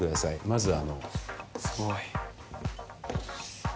まずあの。